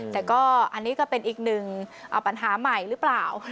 แต่ก็อันนี้ก็เป็นอีกหนึ่งปัญหาใหม่หรือเปล่า